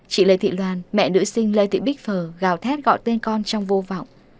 chị lê thị loan mẹ nữ sinh lê thị bích phở gào thét gọi tên con trong vô vọng